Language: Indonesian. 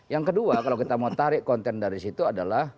yang kedua kalau kita mau tarik konten dari situ adalah